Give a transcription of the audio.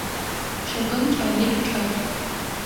Чъыгым кӏэлитӏу чӏэт.